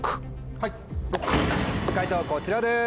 解答こちらです。